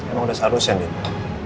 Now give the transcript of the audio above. emang udah seharusnya nih